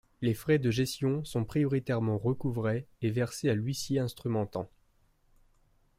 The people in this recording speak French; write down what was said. Les frais de gestion sont prioritairement recouvrés et versés à l'huissier instrumentant.